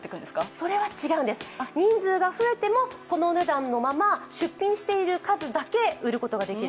それは違うんです、人数が増えてもこのお値段のまま出品している数だけ買うことができる。